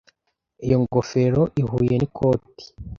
Iyo ngofero ihuye n'ikoti.